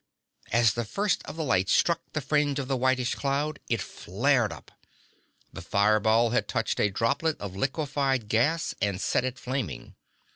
As the first of the lights struck the fringe of the whitish cloud it flared up. The fire ball had touched a droplet of liquified gas and set it flaming.